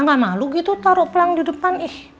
ma gak malu gitu taro pelang di depan ih